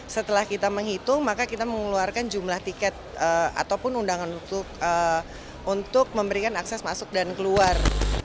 setelah kita menghitung maka kita mengeluarkan jumlah tiket ataupun undangan untuk memberikan akses masuk dan keluar